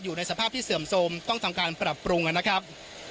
อยู่ในสภาพที่เสื่อมโทรมต้องทำการปรับปรุงนะครับ